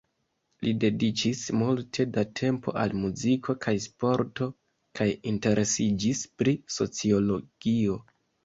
Li dediĉis multe da tempo al muziko kaj sporto kaj interesiĝis pri sociologio.